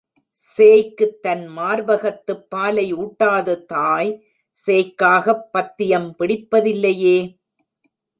சேய்க்குத் தன் மார்பகத்துப் பாலை ஊட்டாத தாய் சேய்க்காகப் பத்தியம் பிடிப்பதில்லையே.